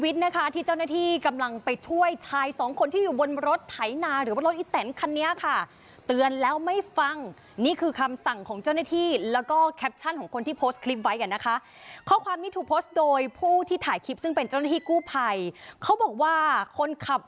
เตรียมรับมือมาบ้างมาบ้าง